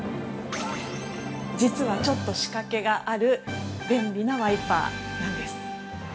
実はちょっと仕掛けがある便利なワイパーなんです。